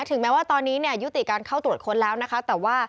ถึงแม้ว่าตอนนี้ยุติการเข้าตรวจค้นแล้วนะครับ